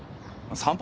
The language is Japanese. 散歩？